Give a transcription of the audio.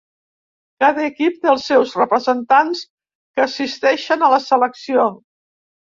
Cada equip té els seus representants que assisteixen a la selecció.